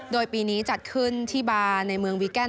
โดยปีนี้จัดขึ้นที่บาร์ในเมืองวีแกน